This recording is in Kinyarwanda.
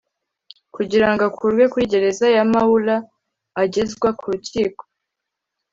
kugira ngo akurwe kuri Gereza ya Maula agezwa ku rukiko